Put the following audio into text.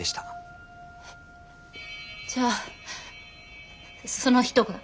えじゃあその人が？